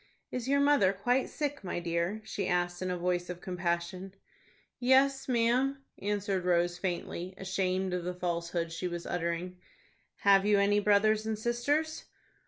"Is your mother quite sick, my dear?" she asked, in a voice of compassion. "Yes, ma'am," answered Rose, faintly, ashamed of the falsehood she was uttering. "Have you any brothers and sisters?"